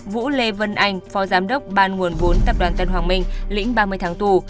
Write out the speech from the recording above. vũ lê vân anh phó giám đốc ban nguồn vốn tập đoàn tân hoàng minh lĩnh ba mươi tháng tù